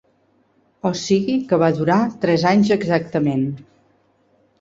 O sigui que va durar tres anys exactament.